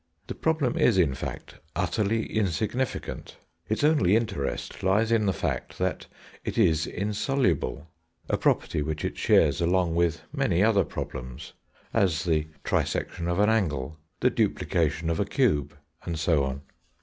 The problem is, in fact, utterly insignificant; its only interest lies in the fact that it is insoluble—a property which it shares along with many other problems, as the trisection of an angle, the duplication of a cube, and so on.